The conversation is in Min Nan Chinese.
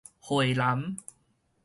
回南